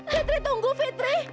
fitri tunggu fitri